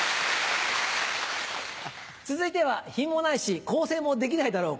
続いては品もないし更生もできないだろう